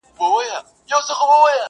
زه او ته چي پیدا سوي پاچاهان یو!